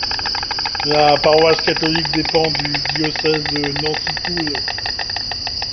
La paroisse catholique dépend du diocèse de Nancy-Toul.